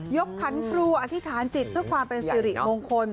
ขันครูอธิษฐานจิตเพื่อความเป็นสิริมงคล